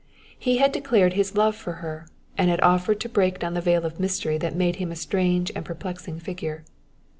He had declared his love for her, and had offered to break down the veil of mystery that made him a strange and perplexing figure.